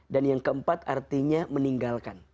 dan yang keempat artinya meninggalkan